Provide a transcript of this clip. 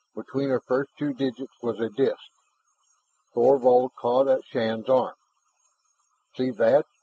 Between her first two digits was a disk. Thorvald caught at Shann's arm. "See that!